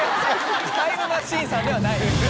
タイムマシーンさんではない。